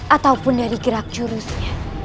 ataupun dari gerak curusnya